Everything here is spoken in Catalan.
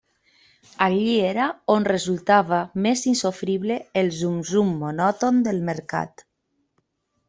Allí era on resultava més insofrible el zum-zum monòton del Mercat.